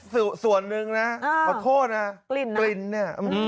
สีส่วนหนึ่งนะขอโทษนะกลิ้นนะ